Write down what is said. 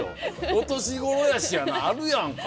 お年ごろやしやな、あるやんか。